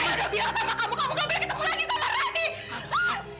saya sudah bilang sama kamu kamu gak boleh ketemu lagi sama rani